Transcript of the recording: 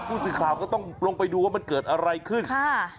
ผู้สื่อข่าวก็ต้องลงไปดูว่ามันเกิดอะไรขึ้นค่ะ